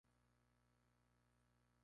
Eso fue todo".